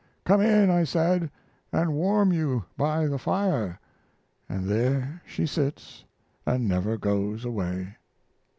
"Come in," I said, "and warm you by the fire"; And there she sits and never goes away.